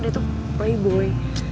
dia tuh playboy